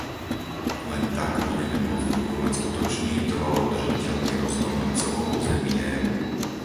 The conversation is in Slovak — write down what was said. Len tak budeme môcť budovať skutočný trvalo udržateľný rozvoj na celom území EÚ.